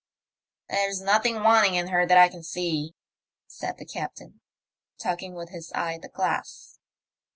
There's nothing wanting in her that I can see," said the captain, talking with his eye at the glass.